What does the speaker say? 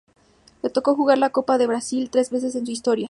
Le tocó jugar la Copa do Brasil tres veces en su historia.